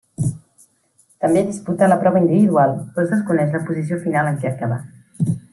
També disputà la prova individual, però es desconeix la posició final en què acabà.